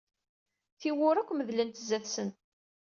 Tiwwura akk medlent sdat-sen.